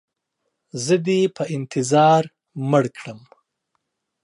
زه دې په انتظار مړ کړم.